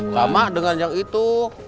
lama dengan yang itu